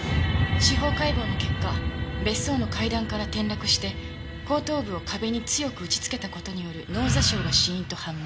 司法解剖の結果別荘の階段から転落して後頭部を壁に強く打ちつけた事による脳挫傷が死因と判明。